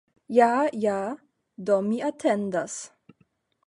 Ja, ja, do mi atendas.